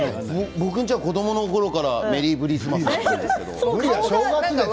僕は家は子どものころからメリーブリスマス。